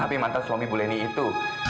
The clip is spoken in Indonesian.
tapi mantan suami bu leni itu